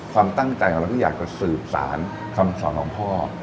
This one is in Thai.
ความตั้งใจของเราก็อยากจะสืบสารคำสอนของพ่อ